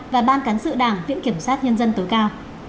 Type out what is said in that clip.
và ban cán sự đảng viện kiểm sát nhân dân tối cao